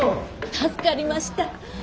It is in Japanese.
助かりました。